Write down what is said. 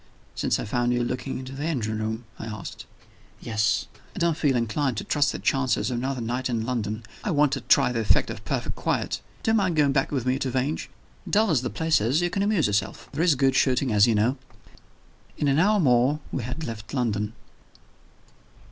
"Since I found you looking into the engine room?" I asked. "Yes. I don't feel inclined to trust the chances of another night in London. I want to try the effect of perfect quiet. Do you mind going back with me to Vange? Dull as the place is, you can amuse yourself. There is good shooting, as you know." In an hour more we had left London.